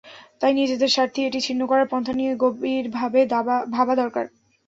তাই নিজেদের স্বার্থেই এটি ছিন্ন করার পন্থা নিয়ে গভীরভাবে ভাবা দরকার।